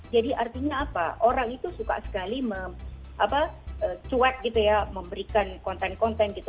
artinya apa orang itu suka sekali cuek gitu ya memberikan konten konten gitu